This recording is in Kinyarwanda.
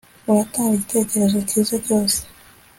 uratanga igitekerezo cyiza cyose